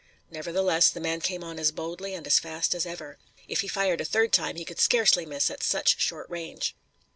Nevertheless the man came on as boldly and as fast as ever. If he fired a third time he could scarcely miss at such short range.